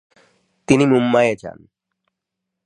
তিনি মুম্বাইয়ে যান